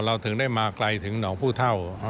ถึงได้มาไกลถึงหนองผู้เท่า